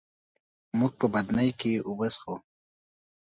موږ په بدنۍ کي اوبه څښو.